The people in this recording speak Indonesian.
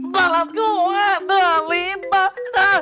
bapak gua berlibat